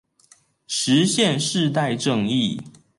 實現世代正義